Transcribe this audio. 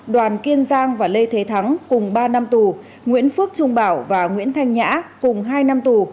đoàn kiên giang và lê thế thắng cùng ba năm tù nguyễn phước trung bảo và nguyễn thanh nhã cùng hai năm tù